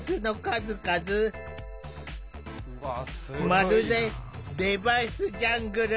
まるでデバイスジャングル。